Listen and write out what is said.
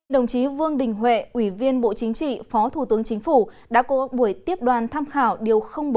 đồng chí vương đình huệ ủy viên bộ chính trị phó thủ tướng chính phủ đã có buổi tiếp đoàn tham khảo điều bốn